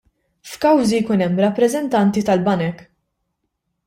F'kawżi jkun hemm rappreżentanti tal-banek.